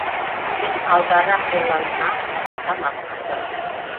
Һин алдараҡ юлланһаң, - ул тамаҡ ҡырҙы.